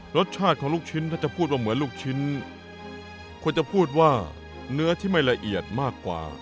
รสชาติของลูกชิ้นถ้าจะพูดว่าเหมือนลูกชิ้นควรจะพูดว่าเนื้อที่ไม่ละเอียดมากกว่า